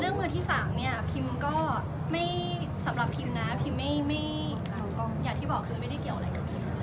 มือที่๓เนี่ยพิมก็ไม่สำหรับพิมนะพิมไม่อย่างที่บอกคือไม่ได้เกี่ยวอะไรกับพิมเลย